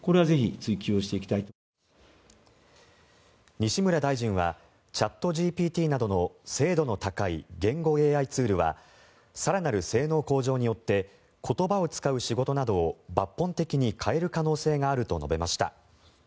西村大臣はチャットＧＰＴなどの精度の高い言語ＡＩツールは更なる性能向上によって言葉を使う仕事などを抜本的に変える可能性があると述べました。